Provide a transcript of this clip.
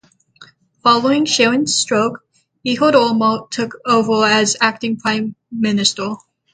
Following Sharon's stroke, Ehud Olmert took over as Acting Prime Minister.